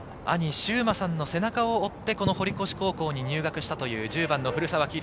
しゅうまさんの背中を追って堀越高校に入学したという１０番・古澤希竜。